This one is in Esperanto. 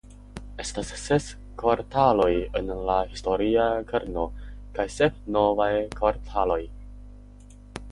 Estas ses kvartaloj en la historia kerno kaj sep novaj kvartaloj.